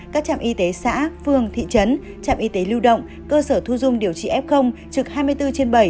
các trạm y tế xã phương thị trấn trạm y tế lưu động cơ sở thu dung điều trị f trực hai mươi bốn trên bảy